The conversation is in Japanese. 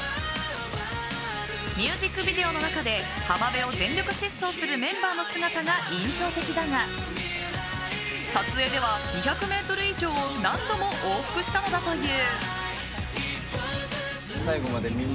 ミュージックビデオの中で浜辺を全力疾走するメンバーの姿が印象的だが撮影では２００ｍ以上を何度も往復したのだという。